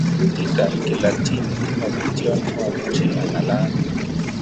Kutit tab Kilatini komapetyon, mamuchi angalal